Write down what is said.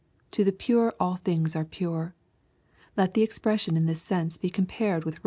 To the pure all things are pure." Let the expres sion in this sense be compared with Rom.